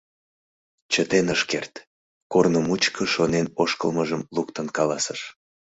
Чытен ыш керт, корно мучко шонен ошкылмыжым луктын каласыш: